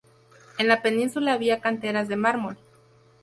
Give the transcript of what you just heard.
En la península había canteras de mármol.